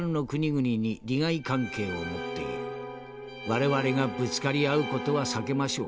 我々がぶつかり合う事は避けましょう。